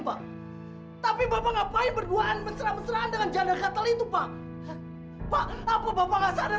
pak tapi bapak ngapain berduaan mesra mesraan dengan jadah katal itu pak pak apa apa sadar